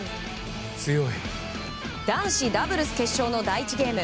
男子ダブルス決勝の第１ゲーム。